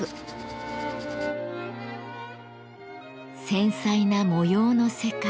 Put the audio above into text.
繊細な模様の世界。